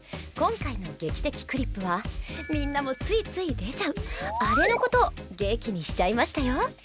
今回の「劇的クリップ」はみんなもついつい出ちゃうアレのことを劇にしちゃいましたよ。